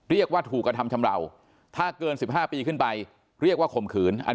เรียกว่าถูกกระทำชำราวถ้าเกิน๑๕ปีขึ้นไปเรียกว่าข่มขืน